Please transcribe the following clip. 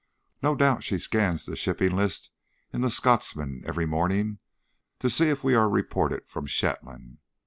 No doubt she scans the shipping list in the Scotsman every morning to see if we are reported from Shetland.